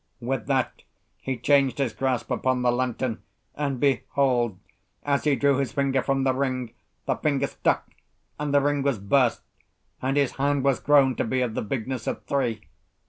With that he changed his grasp upon the lantern, and, behold I as he drew his finger from the ring, the finger stuck and the ring was burst, and his hand was grown to be of the bigness of three.